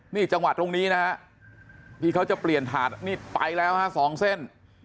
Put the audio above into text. นี่จังหวัดตรงนี้นะครับที่เขาจะเปลี่ยนถาดนี่ไปแล้ว๒เส้น